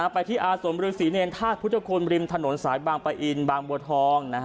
ไปที่อาสมฤษีเนรธาตุพุทธคุณริมถนนสายบางปะอินบางบัวทอง